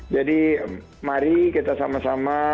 jadi mari kita sama sama